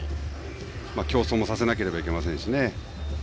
競争もさせなければいけませんしね。